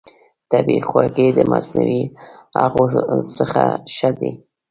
طبیعي خوږې د مصنوعي هغو څخه ښه دي.